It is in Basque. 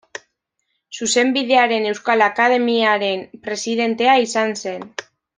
Zuzenbidearen Euskal Akademiaren presidentea izan zen.